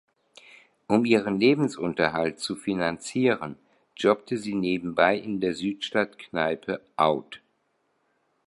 Um ihren Lebensunterhalt zu finanzieren, jobbte sie nebenbei in der Südstadt-Kneipe "Out".